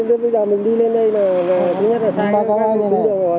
thế bây giờ mình đi lên đây là thứ nhất là sai thứ hai là đi đường